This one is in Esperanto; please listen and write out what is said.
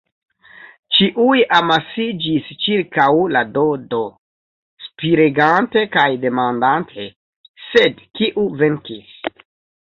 Ĉiuj amasiĝis ĉirkaŭ la Dodo, spiregante kaj demandante: “Sed kiu venkis?”